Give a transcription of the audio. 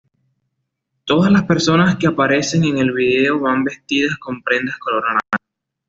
Todas las personas que aparecen en el vídeo van vestidas con prendas color naranja.